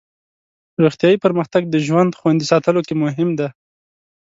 روغتیایي پرمختګ د ژوند خوندي ساتلو کې مهم دی.